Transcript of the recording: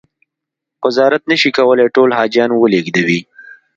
وزارت نه شي کولای ټول حاجیان و لېږدوي.